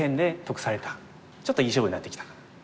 ちょっといい勝負になってきたかな。